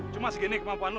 cuma segini kemampuan lu